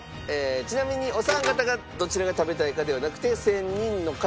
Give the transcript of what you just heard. ちなみにお三方がどちらが食べたいかではなくて１０００人の方